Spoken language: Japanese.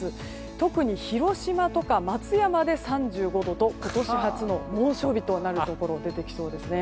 特に広島とか松山で３５度と今年初の猛暑日となるところが出てきそうですね。